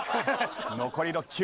残り６球。